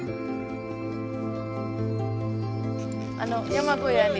山小屋に。